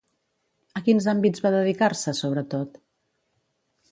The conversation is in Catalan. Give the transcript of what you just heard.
A quins àmbits va dedicar-se, sobretot?